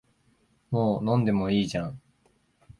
もう飲んでもいいじゃん